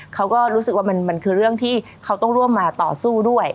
เขาก็รู้สึกว่ามันคือเรื่องที่เขาต้องร่วมมาต่อสู้ด้วย